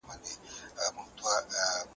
دا د انسان تر ټولو لوی ارمان دی.